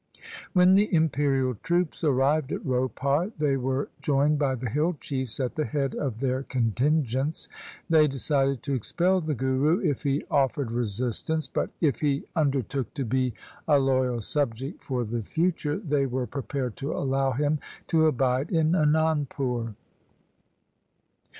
When the imperial troops arrived at Ropar, they were joined by the hill chiefs at the head of their contingents. They decided to expel the Guru if he offered resistance, but, if he undertook to be a loyal subject for the future, they were prepared to allow him to abide in Anandpur.